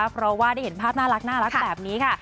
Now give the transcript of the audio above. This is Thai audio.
เพราะว่าได้เห็นภาพน่ารักแบบนี้ค่ะ